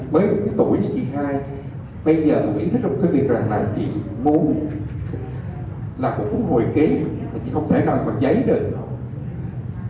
mới một cái tuổi như chị hai bây giờ cũng ý thức trong cái việc là chị muốn là cũng hồi kế mà chị không thể nào mà giấy được